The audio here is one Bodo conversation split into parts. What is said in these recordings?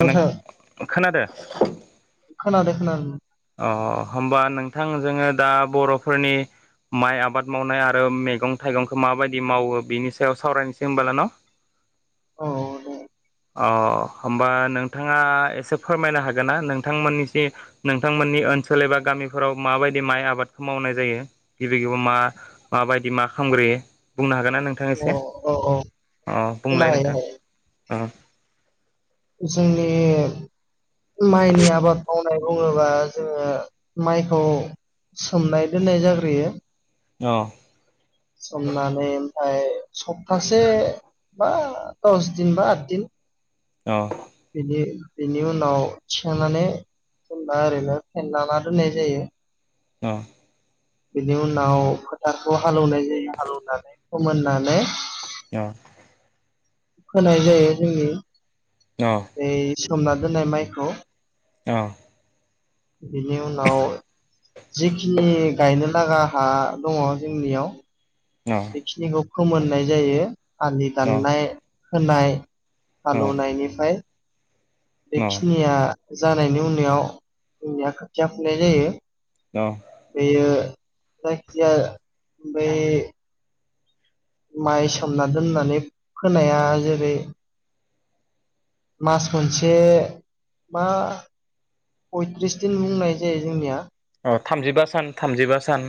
नोंथां [unintelligible] खोनादो। खोनादो खोनादो अ होमबा नोंथां जोङो दा बर'फोरनि माइ आबाद मावनाय आरो मैगं थाइगंखौ माबायदि मावो बिनि सायाव सावरायनोसै होनोमबालाय न' औ दे अ होमबा नोंथाङा एसे फोरमायनो हागोन ना नोंथांमोननि नोंथांमोननि ओ ओनसोल एबा गामिफोराव माबायदि माइ आबादखौ मावनाय जायो गिबि गिबियाव मा माबायदि मा खाला मो बुंनो हागोन ना नोंथां औ एसे औ औ अ बुंनो बुंलाय हायो नोंथां। हायो औ जोंनि माइनि आबाद मावनाय बुङोबा जोङो माइखौ सोमनाय दोननाय जाग्रोयो। अ सोमनानै ओमफ्राय सप्तासे बा दस दिन बा आद दिन अ बिनि बेनि उनाव थिखांनानै जेनेबा ओरैनो फेनलाना दोननाय जायो। औ बेनि उनाव फोथारखौ हालौनाय जायो हालौवनानै फोमोननानै अ फोनाय जायो जोंनि ऐ सोमना दोननाय माइखौ औ बिनि उनाव जिखिनि गायनो लागा हा दङ जोंनियाव बेखिनिखौ फोमोननाय जायो आलि दाननाय होनाय हाल' नाइनि फाइ अ बेखिनिया जानायनि उनाव जोंनिया खोथिया फुनाय जायो। अ अ बेयो जायखिया ओमफ्राय माइ सोमना दोननानै फोनाया जेरै मास मोनसे मा पयथ्रिस दिन बुंनाय जायो जोंनिया अ थामजिबा सान थामजिबा सान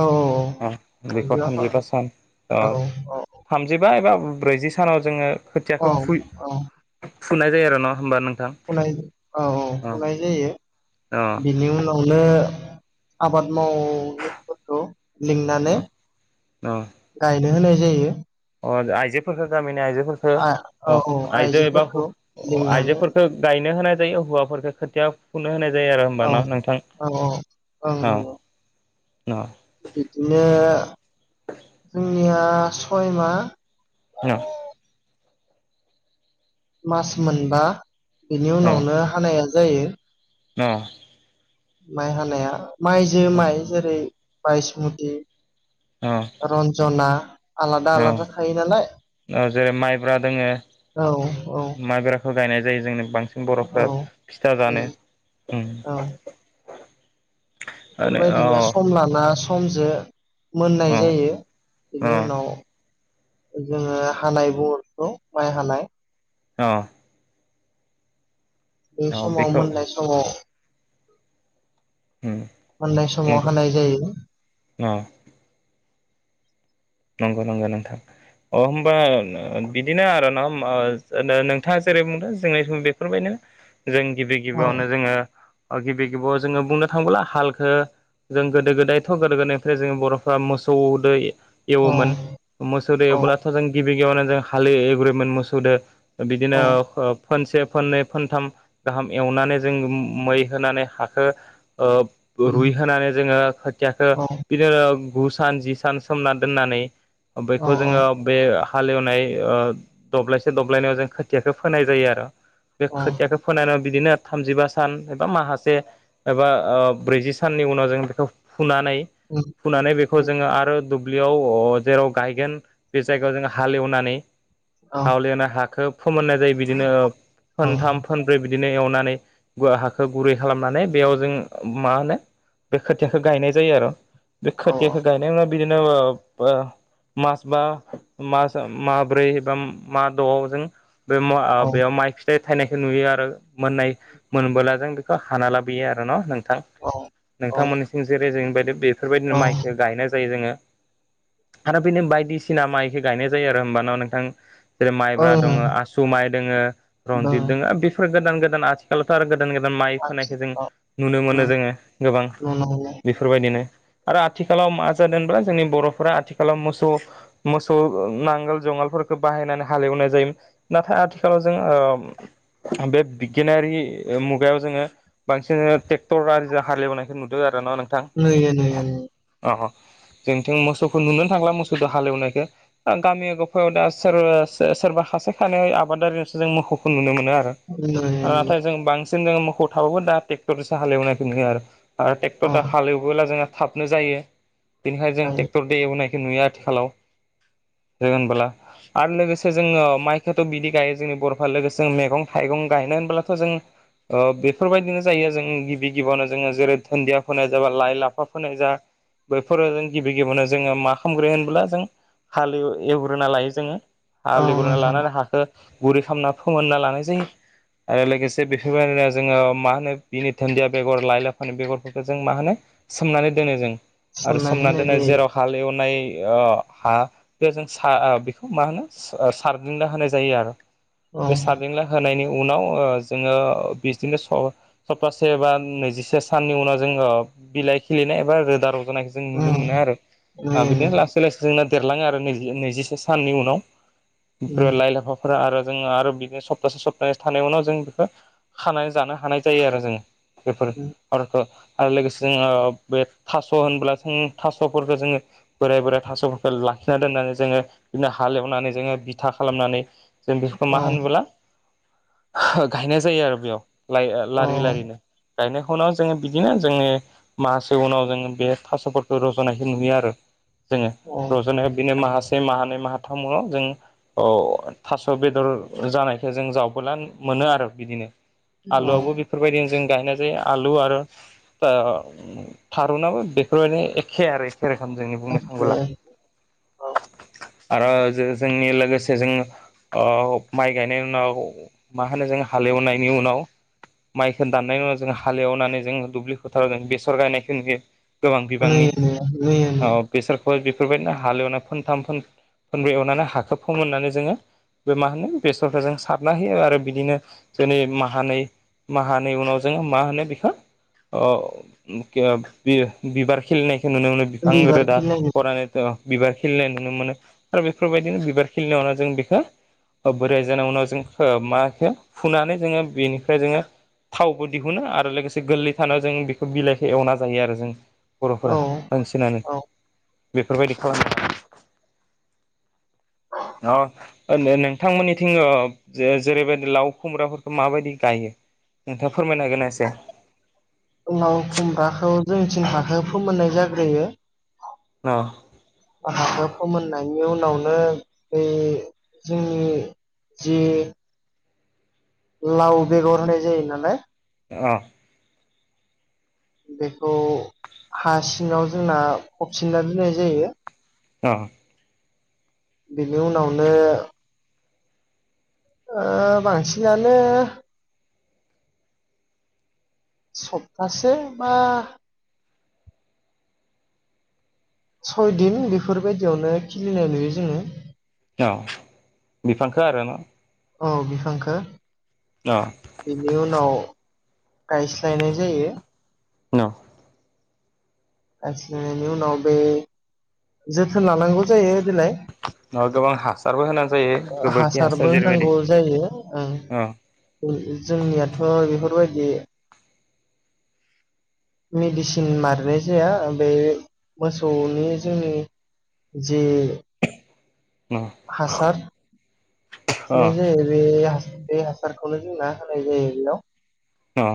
औ औ बेखौ थामजि आफा थामजिबा सान औ औ थामजिबा एबा ब्रैजि सानाव जोङो औ खोथियाखौ फु फुनाय जायो आरो ना होनबा नों नाय औ औ फुनाय जायो अ बेनि उनावनो आबाद मावथिफोरखौ लिंनानै अ अ गायनो होनाय जायो। अ आइजोफोरफोरखौ गामिनि आयजो फोरखो आ औ ओ औ आइजो एबा आइजोफोरखौ लिंनानै आइजोफोरखौ गायनो होनाय जायो हौवाफोरफोरखौ खोथिया फुनो होनाय जायो आरो होनबा औ न'नोंथां औ ओं औ नंगौ न बिदिनो जोंनिया सयमा औ। मास मोनबा बेनि उनावनो हानाया जायो। औ। माइ हानाया माइजो माइ जेरै बायसमुथि रन्जना आलादा औ आलादा थायो नालाय औ जेरै माइब्रा दोङो औ औ माइब्राखौ गायनाय जायो जोंनि बांसिन औ बर'फ्रा फिथा उम जानो उम औ बेफोरबायदिनो सम लाना समजो मोननाय औ जायो औ बेनि उनाव जोङो हानाय बहरखौ माइ हानाय औ। बे औ समाव बेखौ मोननाय समाव मोननाय समाव नंगौ हानाय जायो। औ नंगौ नंगौ नोंथां। अ होनबा बिदिनो आरो न नोंथाङा जेरै बुंदों जोंनि सम बेफोरबायदिनो जों गिबि औ गिबियावनो जोङो गिबि गिबियाव जोङो बुंनो थाङोब्ला हालखो जों गोदो गोदायथ' गोदो गोदायनिफ्राय जों बर'फ्रा मोसौ दै औ एवोमोन मोसौदों औ एवब्लाथ' जों गिबि गेवयावनो जों हाल एवग्रोयोमोन मोसौदो। बिदिनो औ फोनसे फाननै फानथाम गाहाम एवनानै जों मै होनानै हाखो ओ उम रुइ होनोनानै जोङो खोथियाखो औ बिदिनो गु सान जि सान सोमनानै दोननानै औ बेखौ औ जोङो बे हालेवनाय ओ दब्लायसे- दब्लायनैयाव जों खोथियाखौ फोनाय जायो आरो। बे औ खोथियाखौ फोनानै बिदिनो थामजिबा सान एबा माखासे एबा ब्रैजि साननि उनाव जों बेखौ फुनानै उम फुनानै बेखौ उम जोङो आरो दुब्लियाव अ जेराव गायगोन बे जायगायाव जों हालेवनानै औ हालेवनानै हाखौ फोमोननाय जायो बिदिनो ओ औ फोनथाम फोनब्रै बि दिनो एवनानै हाखौ गुरै खालामनानै बेयाव जों मा होनो बे खोथियाखौ गायनाय जायो आरो बे औ खोथियाखौ गायनायावा बिदिनो मास बा मास माब्रै बा मा द' जों बे औ बेयाव माइ फि थाइ थाइनायखौ नुयो आरो मोननाय मोनबोला जों बेखौ हाना लाबोयो आरो न' नों नोंथां औ ओं नोंथांमोननिसिं जेरै जोंबायदि बेफोरबायदिनो माइखो गायनाय जायो जोङो। आरो बिनो बायदिसिना माइखौ गायनाय जायो आरो होमबा न' नोंथां? जेरै माइब्रा ओं दङ आसु माइ दोङो रनजित दोङो बेफोर गोदान गोदान आथिखालावथ' आरो गोदान गोदान माइ फोनायखौ जों आथिखालाव नुनो मोनो उम जोङो गोबां नुनो मोनो बेफोरबायदिनो। आरो आथिखालाव मा जादों होनब्ला जोंनि बर'फोरा आथिखालाव मोसौ-मोसौ नांगोल जगालफोरखौ बाहायनानै हालेवनाय जायोम नाथाय आथिखालाव जों ओम बे बिगियानारि मुगायाव जोङो बांसिन ट्रेक्टर आरि जा हालेवनायखौ नुदों आरो। मोंनङा नोंथां नुयो नुयो अ-अ। जोंनिथिं मोसौखौ नुनो थांला मोसौखौ हालेवनायखो ओ गामि गफायाव दा सोरबा-सो-सोरबाहा बिसोर सानै आबादारियावसो जों मोखोवखौ नुनो मोन नो आरो नुयो नुयो ओ नुयो नाथाय जों बांसिन जों मोखोव थाबाबो दा ट्रेक्टरसो हालेवनायखौ नुयो आरो। आरो ट्रेक्टर औ दा हालेवबोला जोंहा थाबनो जायो बेनिखाय जों जायो ट्रेक्टर दे एवनाय नुयो आथिखालाव जोङो होनबोला। आरो लोगोसे जोङो माइखौथ' बिदि गायो जोंनि बर'फ्रा लोगोसे जों मैगं थाइगं गायनो होनबोब्लाथ' जों ओ बेफोरबायदिनो जायो जों गिबि गिबियावनो जोङो जेरै दुन्दिया फोनाय जाबा लाइ लाफा फोनाय जा बेफ फोर जों गिबि गिबियावनो जोङो मा खालामग्रो होनब्ला जों हालेव एवग्रोना लायो जोङो। औ हाल एवग्रोना नोंथां लानानै हाखो‌ गुरैखामना फोमोनना लानाय जायो। आरो लोगोसे बेफोरबायदिनो जोङो मा होनो बिनि धोनन्दिया बेगर लाइ लाफानि बेगरफोरखौ जों मा होनो सोमनानै दोनो जों आरो सोमना सोमनानै दोननाय दोनो जायो जेराव हाल एवनाय इय हा बे जों सा आ बेखौ मा होनो ओ सारदिंना होनाय जायो आरो। बे सारदिंला होनायनि उनाव ओ जोङो बिसदिनो स-सप्तासे बा नैजिसे साननि उनाव जोङो बिलाय खिलिनाय एबा रोदा रजनाय जों नुनो मोनो आरो आ बिदिनो लासै लासै जोंना देरलाङो आरो नैजि नैजिसे साननि उनाव। इफोरो लाइ लाफा फोरा आरो। जोङो आरो बिदिनो सप्तासे सप्तानै थानाय उनाव जों बिखौ खानानै जानो हानाय जायो आरो जोङो। बेफोर आरोखो आरो लोगोसे जोङो बे थास' होनब्ला उम थास'फोरखौ जोङो बोराय बोराय थास'फोरखौ लाखिना दोननानै जोङो बिदिनो हालेवनानै जोङो बिथा खालामनानै जों बेफोरखौ मा होनबोला हो गायनाय जायो आरो बेयाव। लाइ ओ लारि लारिनो गायनायखनो जोङो बिदिनो जोंनि माहासे उनाव जोङो बे थास'फोरखौ रज'नायखौ नुयो आरो जोङो रज'नाया बिनो माहा से माहानै माहाथाव जों औ थास' बेदर जानायख जों जावबोला मोनो आरो बिदिनो। आलुआवबो बेफोरबायदिनो जों गायनाय जायो आलु आरो ओयो थारूनाबो बेफोरबायदिनो एखे आरो एस खेरोखामजोंनि बुंनो थांबोला। आरो जो जोंनि लोगोसे जों अ माइ गायनायउनाव मा होनो जों हालेव एवनायनि उनाव माइखौ दाननायनि उनाव जों हालेवनानै जोङो दुब्लि फोथाराव जों बेसर गायनायखौ नुयो। गोबां बिबांनि नुयो नुयो औ नुयो बेसर गय बेफोरबायदिनो हालेवना फोनथाम फोन-फोनब्रै एवनानै हाखौ फोमोननानै जोङो बे मा होनो बेसरफोरजों सारना होयो आरो बिदिनो जोंनि माहानै माहानै उनाव जोङो मा होनो बेखौ‌ अ मुखिया बियो। बिबार खिलिनायखौ नुनो मोनो बिफां बिबार रोदा खिलिनाय खरानैथ। बिबार खिलिनाय नुनो मोनो आरो बेफोरबायदिनो बिबार खिलिनायावनो जों बिखौ ओ बोराय जानाय उनाव जोंखौ माखो फुनानै जोङो बेनिफ्राय जोङो थावबो दिहुनो आरो लोगोसे गोरलै थानायाव जों बिखौ बिलाइखौ एवना जायो आरो जों। औ बर'फोरा बांसिनानो औ बेफोरबायदि खालामो आरो। अ नो-नोंथांमोननिथिं अ जे-जेरैबायदि लाव खुमब्राफोरखौ माबायदि गायो? नोंथाब औ दे लाव खुमब्राखौ जोंनिथिं हाखो फोमोननाय जाग्रोयो। न। हाखो फोमोननायनि उनावनो बै जोंनि जि लाउ बेेगर होनाय जायो नालाय अ बेखौ हासिङाव जोंना फबसिनना दोननाय जायो अ बेनि उनावनो ओ बांसिनानो सप्तासे बा सयदिन बेफोरबायदियावनो खिलिनाय नुयो जोङो औ बिफांखो आरो ना औ बिफांखो अ बिनि उनाव गायस्लायनाय जायो न' [unintelligible] नायनि उनाव बे जोथोन लानांगौ जायो देलाय ओ गोबां हासारबो होनां हासारबो होनांगौ जायो अ ओ जोंनियाथ' बेफोरबायदि मेडिसिन मारनाय जाया बे मोसौनि जोंनि जे हासार नाय अ जायो बे हास बे हासारखौनो जों ना होनाय जायो बेयाव अह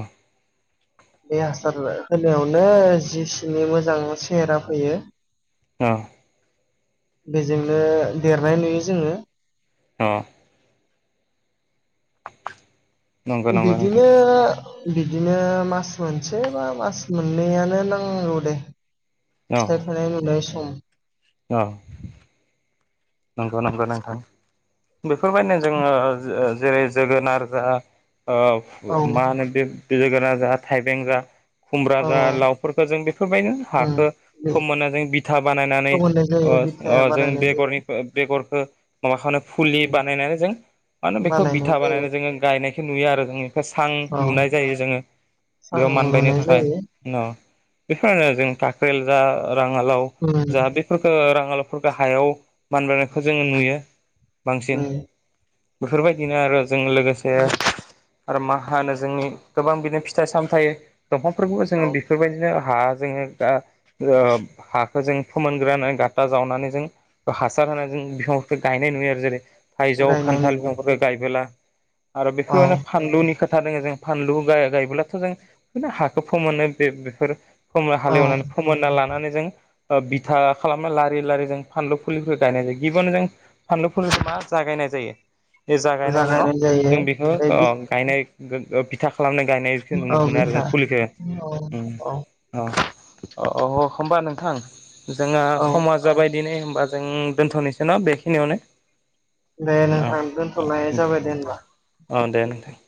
बे हासार होनायावनो जिसिनि मोजां सेहेरा फैयो औ बेजोंनो देरनाय नुयो जोङो औ नंगौ नंगौ बिदिनो नोंथां बिदिनो मास मोनसे बा मास मोननैयनो नांगौ दे औ फिथाइ थानाय नुनाय सम औ नंगौ नंगौ नोंथां बेफोरबायदिनो जोङो ओ जेरै जोगोनार जा ओ औ मा होनो बे बे जोगोना जा थाइबें जा खुमब्रा औ जा लावफोरखौ जों बेफोरबायदिनो उम हाखो बेखौ फोमोननानै जों बिथा बानायनानै मोननाय अ जायो अ बिथाया जों बानायनाय जायो बेगरनि ओ बेगरफोर मा खालाम फुलि उम बानायनानै जों मा होनो बेखौ बानायनाय बिथा जायो बानायनानै जोङो गायनाय खौ नुयो आरो जों बेफ्राय सां औ लुनाय जायो जोङो सां बेयाव मानबायनो लुनाय थाखाय जायो बेफोर जों थाख्रेल जा राङालाव उम जा उम बेफोरखौ राङालाव फोरखौ हायाव मानबायोनायखौ जोङो नुयो बांसिन उम बेफोरबायदिनो आरो जों लोगोसे आरो मा होनो जोंनि गोबां बिदिनो फिथाइ सामथायाइ दंफांफोरखौबो जोङो औ बेफोरबायदिनो हा जोङो दा ओ हाखौ जों फोमोनग्रानै गाटा जावनानै जों हासार होनानै जों बिफांफोरखौ गायनाय नुयो आरो जेरै थाइजौ गायनाय खान्थाल नुयो, बिफांफोरखौ गायबोला आरो बेखौ औ माने फानलुनि खाथ खोथा दोङो जों फानलु गायोबोब्लाथ' जों बिदिनो हाखौ फोमोनो बेफोर फोम औ हालेवनानै फोमोनना लानानै जों बिथा खालामो लारि लारि जों फानलु फुलिखो गायनाय जायो गिबियावनो जों फानलुफोर मा जागायनाय जायो बुरजा जागायनायनि उनाव गायनाय जायो जों बेखौ बे गायनाय गो गो बिथा खालामनाय गायनायखौ औ नुनो मोनो आरो बिथा जों फुलिखौ औ उम औ अ अ होमबा नोंथां जोंहा औ समा जाबाय दिनै होमबा जों दोन्थ'नोसै ना बेखिनियावनो दे औ नोंथां औ दोनथ'नाय जाबाय दे होमबा औ दे नोंथां